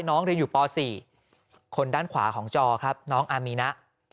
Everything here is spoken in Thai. น้องเรียนอยู่ป๔คนด้านขวาของจอครับน้องอามีนะ